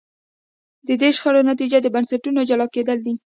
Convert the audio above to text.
د دې شخړو نتیجه د بنسټونو جلا کېدل دي.